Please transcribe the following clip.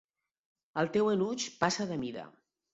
El teu enuig passa de mida.